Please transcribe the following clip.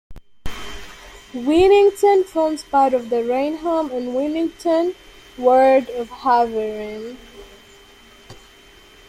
Wennington forms part of the Rainham and Wennington ward of Havering.